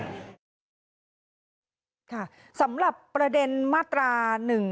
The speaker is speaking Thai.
สำหรับประเด็นมาตรา๑๑๒